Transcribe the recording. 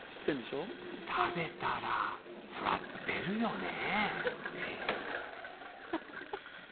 食べたら、そら、出るよね。